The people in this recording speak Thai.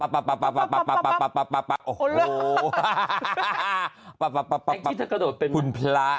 แต่กระโดดมันตกตกสุดหรอ